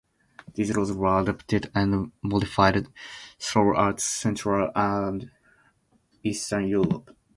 These laws were adopted and modified throughout Central and Eastern Europe.